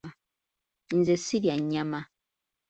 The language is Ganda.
Nze sirya nnyama.